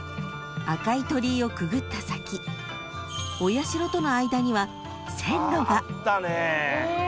赤い鳥居をくぐった先お社との間には線路が］